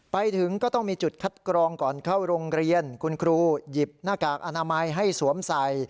ไปถึงก็ต้องมีจุดคัดกรองก่อนเข้าโรงเรียนคุณครูหยิบหน้ากากอนามัยให้สวมใส่